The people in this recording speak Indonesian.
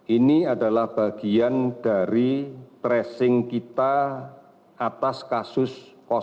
ini adalah bagian dari tracing kita atas kasus